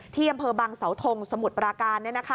ที่อำเภอบังเสาทงสมุทรปราการ